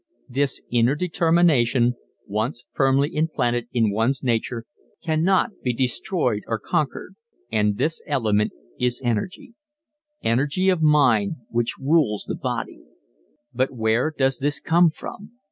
This inner determination, once firmly implanted in one's nature, cannot be destroyed or conquered. And this element is energy energy of mind, which rules the body. But where does this come from?